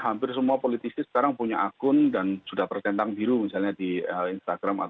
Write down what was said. hampir semua politisi sekarang punya akun dan sudah bertentang biru misalnya di instagram